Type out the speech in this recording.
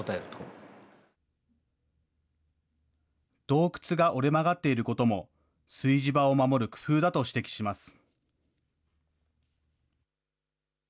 洞窟が折れ曲がっていることも、炊事場を守る工夫だと指摘します。